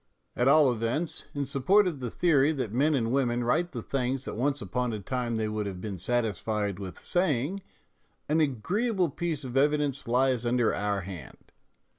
At all events, CONVERSATIONAL MISERS 281 in support of the theory that men and women write the things that once upon a time they would have been satisfied with saying, an agreeable piece of evidence lies under our hand.